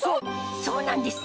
そうなんです